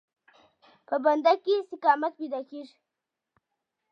په بنده کې استقامت پیدا کېږي.